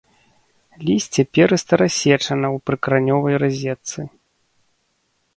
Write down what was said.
Лісце перыста-рассечанае ў прыкаранёвай разетцы.